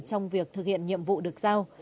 trong việc thực hiện nhiệm vụ được giao